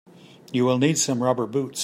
You will need some rubber boots.